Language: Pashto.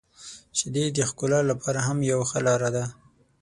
• شیدې د ښکلا لپاره هم یو ښه لاره ده.